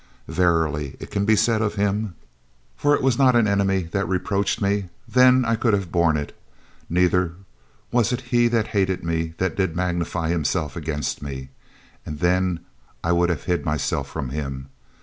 Verily it can be said of him "For it was not an enemy that reproached me; then I could have borne it; neither was it he that hated me that did magnify himself against me; then I would have hid myself from him.